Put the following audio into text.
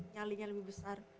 nyalinya lebih besar